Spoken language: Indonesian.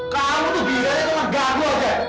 kamu tuh biranya tuh mengganggu aja